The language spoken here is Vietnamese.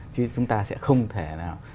chứ chúng ta sẽ không thể nào